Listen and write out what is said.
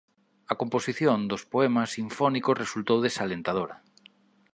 A composición dos poemas sinfónicos resultou desalentadora.